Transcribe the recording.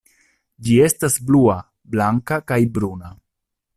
Ĝi estas blua, blanka, kaj bruna.